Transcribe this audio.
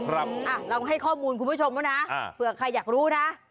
เราให้ข้อมูลคุณผู้ชมแล้วนะเผื่อใครอยากรู้นะ